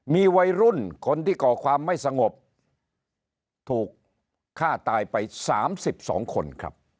มีวัยรุ่นคนที่ก่อความไม่สงบถูกฆ่าตายไป๓๒คนครับ